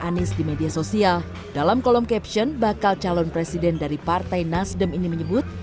tapi pada saat ini di media sosial dalam kolom caption bakal calon presiden dari partai nasdem ini menyebut